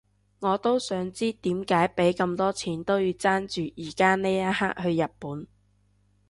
我都想知點解畀咁多錢都要爭住而家呢一刻去日本